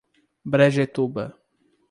Brejetuba